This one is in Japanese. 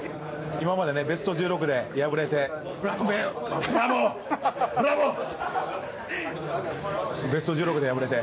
今まで、ベスト１６で敗れて。